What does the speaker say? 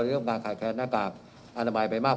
ในเรื่องการขายแค้นนากากอาณาบายไปมาก